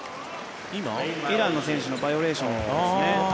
イランの選手のバイオレーションですね。